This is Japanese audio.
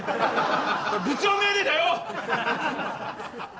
部長命令だよ！